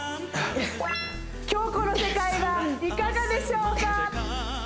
京子の世界はいかがでしょうか？